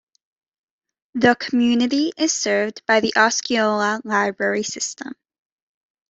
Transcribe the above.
The community is served by the Osceola Library System.